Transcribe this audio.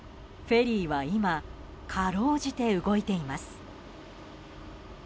フェリーは今、かろうじて動いています。